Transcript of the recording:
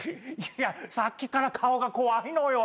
いやさっきから顔が怖いのよ。